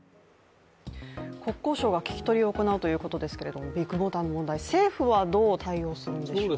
国交省が聴き取りを行うということですけどもビッグモーターの問題、政府はどう対応するんでしょうか。